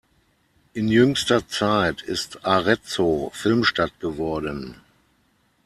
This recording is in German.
In jüngster Zeit ist Arezzo Filmstadt geworden.